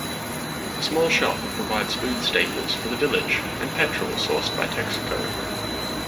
The small shop provides food staples for the village and petrol sourced by Texaco.